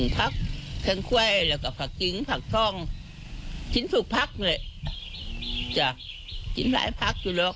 พักผ่อนใช่ไหมล่ะ